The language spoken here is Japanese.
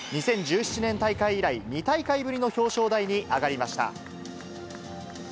２０１７年大会以来、２大会ぶりの表彰台に上がりました。